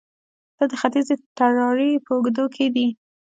دا د ختیځې تراړې په اوږدو کې دي